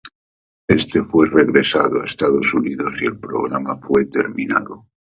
Este fue regresado a Estados Unidos y el programa fue terminado.